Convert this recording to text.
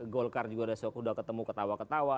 golkar juga sudah ketemu ketawa ketawa